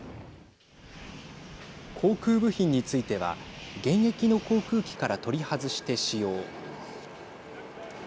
航空部品については現役の航空機から取り外して使用。